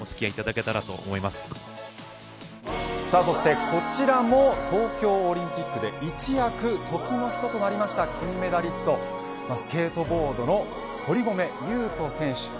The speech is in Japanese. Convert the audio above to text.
そして、こちらも東京オリンピックで一躍時の人となりました金メダリストスケートボードの堀米雄斗選手。